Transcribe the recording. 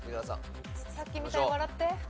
さっきみたいに笑って。